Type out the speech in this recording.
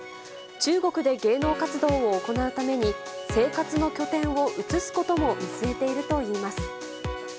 中国で芸能活動を行うために、生活の拠点を移すことも見据えているといいます。